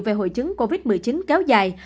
về hội chứng covid một mươi chín kéo dài